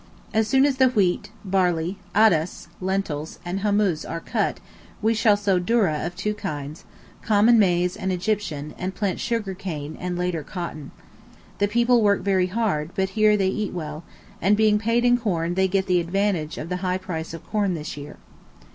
As soon as the wheat, barley, addas (lentils) and hummuz are cut, we shall sow dourrah of two kinds, common maize and Egyptian, and plant sugar cane, and later cotton. The people work very hard, but here they eat well, and being paid in corn they get the advantage of the high price of corn this year.